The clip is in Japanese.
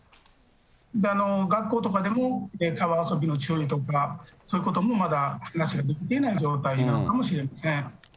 学校とかでも川遊びの注意とか、そういうこともまだなされていないという状態なのかもしれません。